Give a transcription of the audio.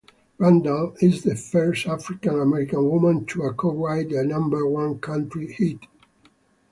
Randall is the first African-American woman to co-write a number-one country hit.